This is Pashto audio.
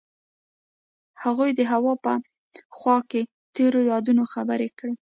هغوی د هوا په خوا کې تیرو یادونو خبرې کړې.